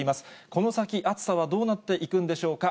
この先、暑さはどうなっていくんでしょうか。